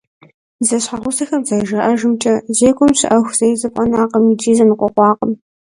Зэщхьэгъусэхэм зэрыжаӏэжымкӏэ, зекӏуэм щыӏэху зэи зэфӏэнакъым икӏи зэныкъуэкъуакъым.